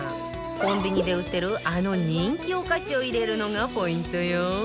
コンビニで売ってるあの人気お菓子を入れるのがポイントよ